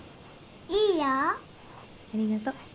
いいよありがと